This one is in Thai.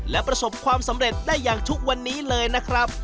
และประสบความสำเร็จได้อย่างทุกวันนี้เลยนะครับ